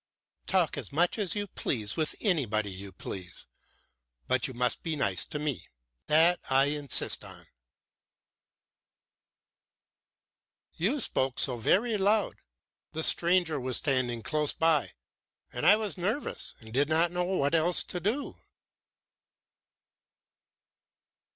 "Talk as much as you please with anybody you please. But you must be nice to me that I insist on." "You spoke so very loud; the stranger was standing close by, and I was nervous and did not know what else to do."